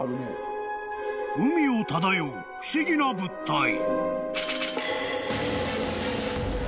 ［海を漂う不思議な物体］